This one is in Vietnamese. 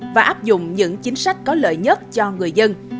tp hcm sẽ quan tâm và áp dụng những chính sách có lợi nhất cho người dân